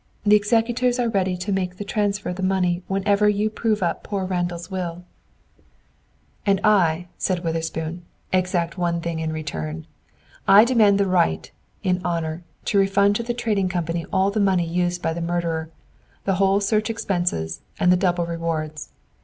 The executors are ready to make the transfer of the money whenever you prove up poor Randall's will." "And I," said Witherspoon, "exact one thing in return. I demand the right, in honor, to refund to the Trading Company all the money used by the murderer, the whole search expenses, and the double rewards.